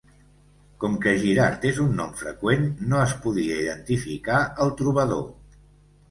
Com que Girard és un nom freqüent, no es podia identificar el trobador.